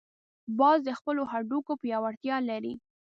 باز د خپلو هډوکو پیاوړتیا لري